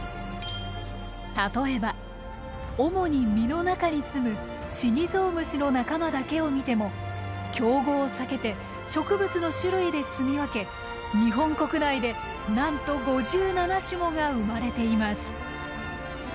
例えば主に実の中にすむシギゾウムシの仲間だけを見ても競合を避けて植物の種類ですみ分け日本国内でなんと５７種もが生まれています。